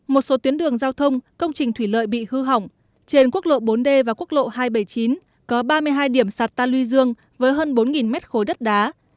một số tuyến đường giao thông công trình thủy lợi bị hư hỏng trên quốc lộ bốn d và quốc lộ hai trăm bảy mươi chín có ba mươi hai điểm sạt ta lưu dương với hơn bốn mét khối đất đá